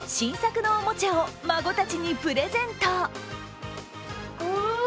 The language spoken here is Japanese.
この日は、新作のおもちゃを孫たちにプレゼント。